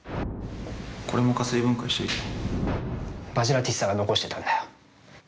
これも加水分解しておいてヴァジラティッサが残してたんだよ。